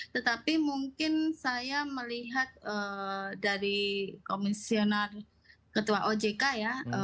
tetapi mungkin saya melihat dari komisioner ketua ojk ya